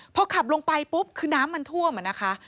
พอขับลงไปปุ๊บคือน้ำมันท่วมอะนะคะ